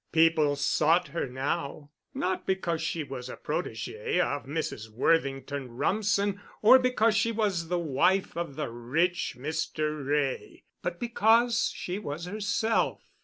People sought her now, not because she was a protégée of Mrs. Worthington Rumsen, or because she was the wife of the rich Mr. Wray, but because she was herself.